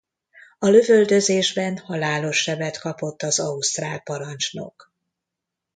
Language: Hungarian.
A lövöldözésben halálos sebet kapott az ausztrál parancsnok.